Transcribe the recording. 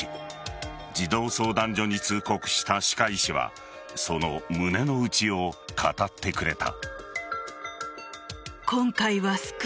児童相談所に通告した歯科医師はその胸の内を語ってくれた。